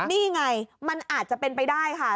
นี่ไงมันอาจจะเป็นไปได้ค่ะ